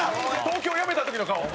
東京やめた時の顔。